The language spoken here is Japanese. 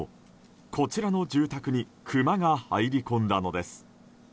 こちらの住宅にクマが入り込んだのです。